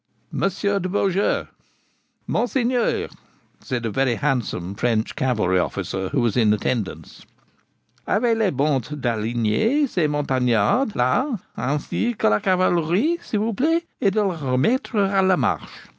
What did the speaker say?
'Monsieur de Beaujeu!' 'Monseigneur!' said a very handsome French cavalry officer who was in attendance. 'Ayez la bonte d'aligner ces montagnards la, ainsi que la cavalerie, s'il vous plait, et de les remettre a la marche.